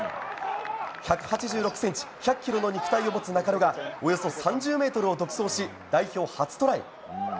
１８６ｃｍ、１００ｋｇの肉体を持つ中野がおよそ３０ｍを独走し代表初トライ。